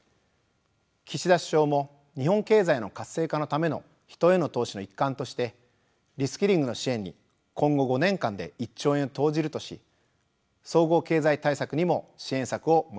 岸田首相も日本経済の活性化のための人への投資の一環としてリスキリングの支援に今後５年間で１兆円を投じるとし総合経済対策にも支援策を盛り込みました。